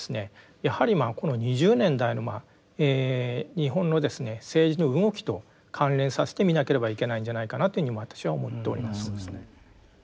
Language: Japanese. やはりこの２０年代の日本の政治の動きと関連させて見なければいけないんじゃないかなというふうに私は思っております。